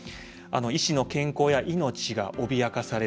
医師の健康や命がおびやかされる。